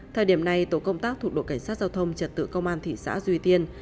thời điểm này tổ công tác thuộc đội cảnh sát giao thông trật tự công an thị xã duy tiên